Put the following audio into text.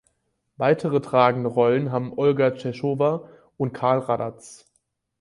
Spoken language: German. Weitere tragende Rollen haben Olga Tschechowa und Carl Raddatz.